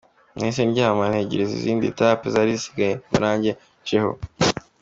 Nahise ndyama, ntegereje izindi etapes zari zisigaye ngo nanjye nceho.